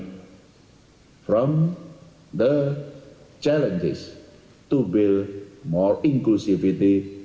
dari tantangan untuk membangun inklusifitas